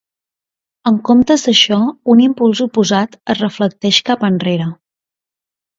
En comptes d'això, un impuls oposat es reflecteix cap enrere.